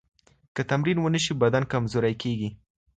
که تمرین ونه شي، بدن کمزوری کېږي.